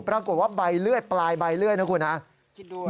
ปรากฏว่าใบเลื่อยปลายใบเลื่อยนะครับคุณ